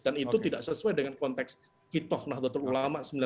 dan itu tidak sesuai dengan konteks kitoh nahdlatul ulama seribu sembilan ratus dua puluh enam